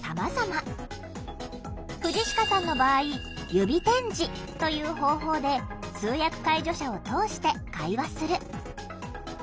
藤鹿さんの場合「指点字」という方法で通訳介助者を通して会話する。